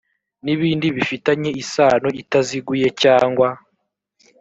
n ibindi bifitanye isano itaziguye cyangwa